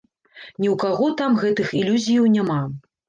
Ні ў каго там гэтых ілюзіяў няма.